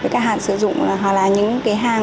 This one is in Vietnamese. các hạn sử dụng hoặc là những hạn